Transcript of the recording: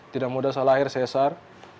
tidak mudah saya lahir cesar